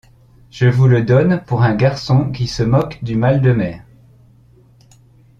Je vous le donne pour un garçon qui se moque du mal de mer.